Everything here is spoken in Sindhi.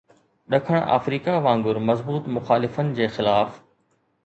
ڏکڻ آفريڪا وانگر مضبوط مخالفن جي خلاف